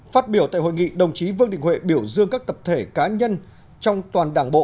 phát biểu tại hội nghị đồng chí vương đình huệ biểu dương các tập thể cá nhân trong toàn đảng bộ